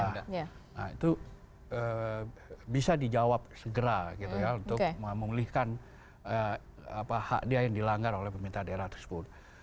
nah itu bisa dijawab segera gitu ya untuk memulihkan hak dia yang dilanggar oleh pemerintah daerah tersebut